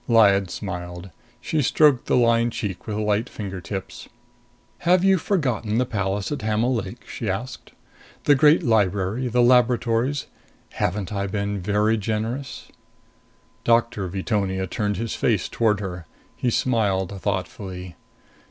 Lyad smiled. She stroked the lined cheek with light finger tips. "Have you forgotten the palace at Hamal Lake?" she asked. "The great library? The laboratories? Haven't I been very generous?" Doctor Veetonia turned his face toward her. He smiled thoughtfully.